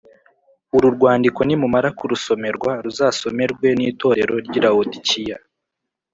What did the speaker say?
Uru rwandiko nimumara kurusomerwa ruzasomerwe n’Itorero ry’i Lawodikiya